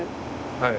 はい。